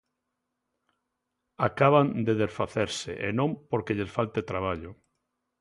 Acaban de desfacerse e non porque lles falte traballo.